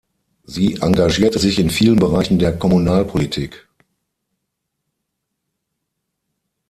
Sie engagierte sich in vielen Bereichen der Kommunalpolitik.